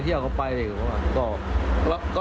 เข้าก็ตัวแล้วเนอะ